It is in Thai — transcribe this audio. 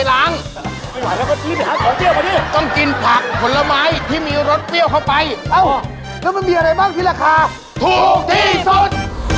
แล้วมันมีอะไรบ้างที่ราคาถูกที่สุด